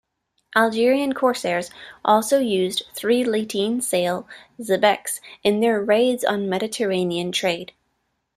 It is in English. Algerian corsairs also used three-lateen-sail xebecs in their raids on Mediterranean trade.